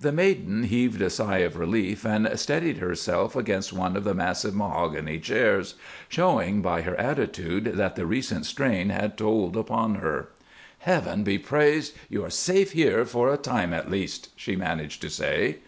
The maiden heaved a sigh of relief and steadied herself against one of the massive mahogany chairs, showing by her attitude that the recent strain had told upon her. "Heaven be praised! You are safe here, for a time at least," she managed to say.